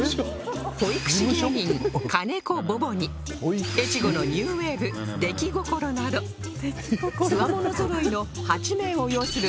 保育士芸人金子ボボに越後のニューウェーブ出来心などつわものぞろいの８名を擁する